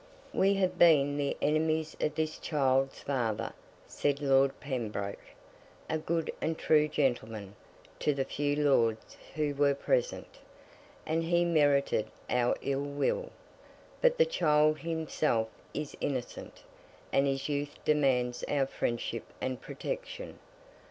'We have been the enemies of this child's father,' said Lord Pembroke, a good and true gentleman, to the few Lords who were present, 'and he merited our ill will; but the child himself is innocent, and his youth demands our friendship and protection.